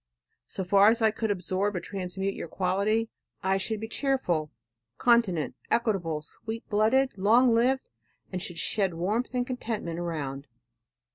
So far as I could absorb or transmute your quality I should be cheerful, continent, equitable, sweet blooded, long lived, and should shed warmth and contentment around.